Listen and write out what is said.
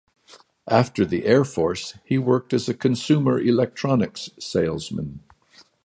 After the Air Force, he worked as a consumer electronics salesman.